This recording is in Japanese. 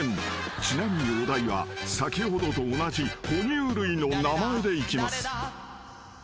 ［ちなみにお題は先ほどと同じ哺乳類の名前でいきます］